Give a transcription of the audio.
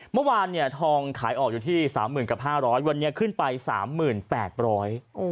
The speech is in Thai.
เมื่อวานเนี่ยทองขายออกอยู่ที่สามหมื่นกับห้าร้อยวันนี้ขึ้นไปสามหมื่นแปดร้อย